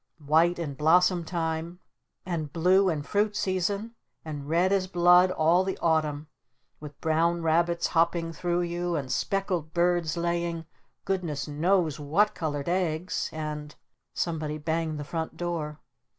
White in blossom time! And blue in fruit season! And red as blood all the Autumn! With brown rabbits hopping through you! And speckled birds laying goodness knows what colored eggs! And " Somebody banged the front door.